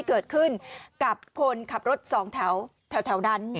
เกิดขึ้นกับคนขับรถสองแถวนั้น